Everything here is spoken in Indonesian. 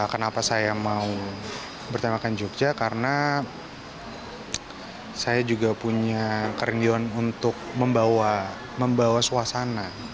kenapa saya mau bertemakan jogja karena saya juga punya kerinduan untuk membawa suasana